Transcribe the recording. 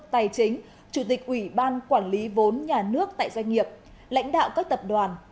tài chính chủ tịch ủy ban quản lý vốn nhà nước tại doanh nghiệp lãnh đạo các tập đoàn